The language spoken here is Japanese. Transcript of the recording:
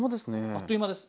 あっという間です。